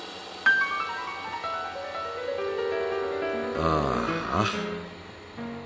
ああ。